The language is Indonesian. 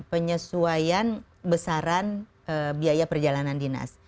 penyesuaian besaran biaya perjalanan dinas